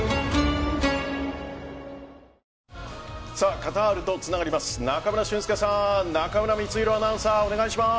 カタールとつながります。